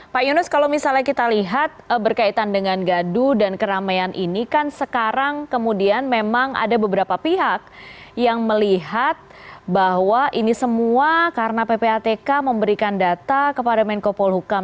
pak yunus kalau misalnya kita lihat berkaitan dengan gadu dan keramaian ini kan sekarang kemudian memang ada beberapa pihak yang melihat bahwa ini semua karena ppatk memberikan data kepada menko polhukam